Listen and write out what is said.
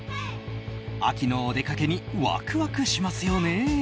秋のお出掛けにワクワクしますよね。